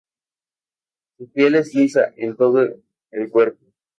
Su piel es lisa en todo el cuerpo.